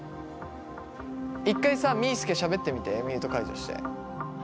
一回さみーすけしゃべってみてミュート解除して。